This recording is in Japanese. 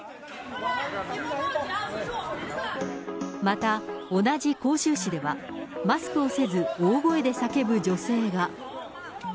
また、同じ広州市では、マスクをせず、大声で叫ぶ女性が。